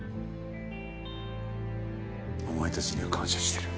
お前たちには感謝してる。